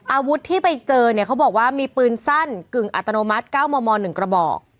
อาวุธที่ไปเจอเนี่ยเขาบอกว่ามีปืนสั้นกึ่งอัตโนมัติ๙มม๑กระบอก